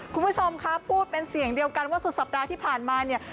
คุณผู้ชมคะพูดเป็นเสียงเดียวกันว่าสุดสัปดาห์ที่ผ่านมาเนี่ย